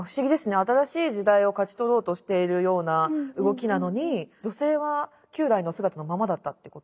新しい時代を勝ち取ろうとしているような動きなのに女性は旧来の姿のままだったってこと。